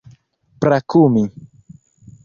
brakumi